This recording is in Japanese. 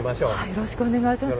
よろしくお願いします。